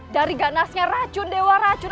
dari ganasnya racun dewa racun